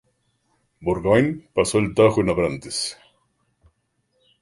Burgoyne pasó el Tajo en Abrantes.